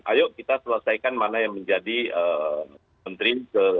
ayo kita selesaikan mana yang menjadi menteri